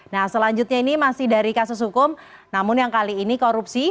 nah selanjutnya ini masih dari kasus hukum namun yang kali ini korupsi